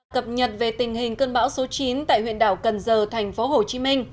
cập nhật về tình hình cơn bão số chín tại huyện đảo cần giờ tp hcm